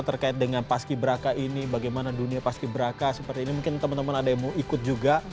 terkait dengan paski braka ini bagaimana dunia paski braka seperti ini mungkin teman teman ada yang mau ikut juga